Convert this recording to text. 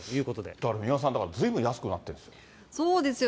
だから三輪さん、ずいぶん安くなってるんですよ。